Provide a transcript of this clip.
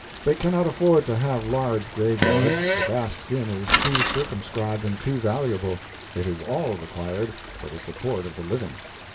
They cannot afford to have large graveyards, the grass skin is too circumscribed and too valuable. It is all required for the support of the living.